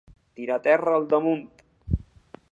Tirar terra al damunt.